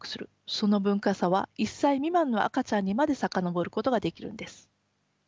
その文化差は１歳未満の赤ちゃんにまで遡ることができるんです。